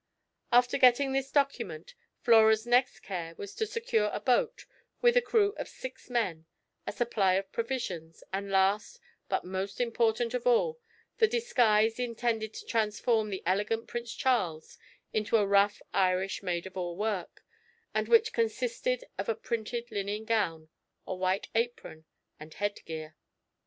After getting this document, Flora's next care was to secure a boat, with a crew of six men, a supply of provisions, and last, but most important of all, the disguise intended to transform the elegant Prince Charles into a rough Irish maid of all work, and which consisted of a printed linen gown, a white apron and head gear.